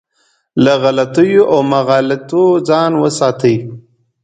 له غلطیو او مغالطو ځان وساتي.